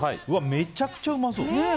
めちゃくちゃうまそう。